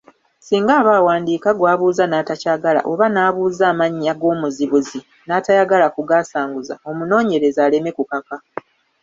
Singa aba awandiika, gw’abuuza n’atakyagala, oba n’abuuza amannya g’omuzibuzi n’atayagala kugaasanguza, omunoonyereze aleme kukaka.